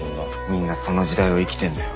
みんなその時代を生きてんだよ。